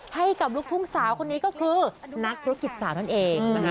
ให้กับลูกทุ่งสาวคนนี้ก็คือนักธุรกิจสาวนั่นเอง